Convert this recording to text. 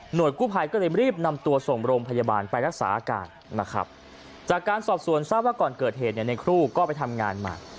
โดยกู้ภัยก็เลยรีบนำตัวส่งโรงพยาบาลไปรักษาอาการนะครับจากการสอบสวนทราบว่าก่อนเกิดเหตุเนี่ยในครูก็ไปทำงานมา